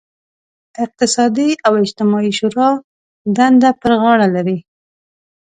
اقتصادي او اجتماعي شورا دنده پر غاړه لري.